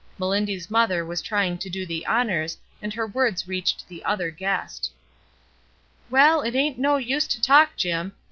LOVE 257 Melindy's mother was trying to do the honors, and her words reached the other guest. "Well, it ain't no use to talk, Jim.